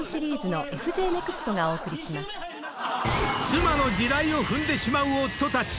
［妻の地雷を踏んでしまう夫たち。